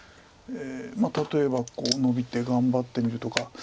例えばノビて頑張ってみるとか。